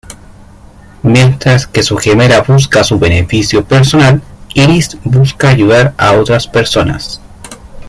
Mientras que su gemela busca su beneficio personal, Iris busca ayudar a otras personas.